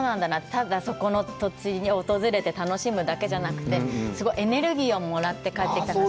ただ、そこの土地を訪れて楽しむだけじゃなくて、すごいエネルギーをもらって帰ってきた感じ。